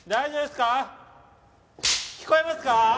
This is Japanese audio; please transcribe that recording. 聞こえますかー？